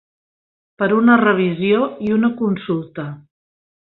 Per una revisió i una consulta.